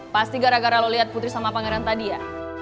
pasti gara gara lo lihat putri sama pangeran tadi ya